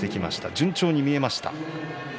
順調に見えました。